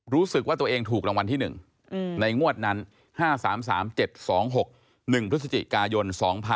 รู้สึกว่าตัวเองถูกรางวัลที่๑ในงวดนั้น๕๓๓๗๒๖๑พฤศจิกายน๒๕๖๒